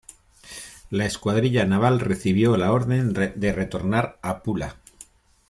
La escuadrilla naval recibió la orden de retornar a Pula.